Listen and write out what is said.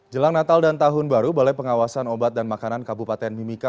jelang natal dan tahun baru balai pengawasan obat dan makanan kabupaten mimika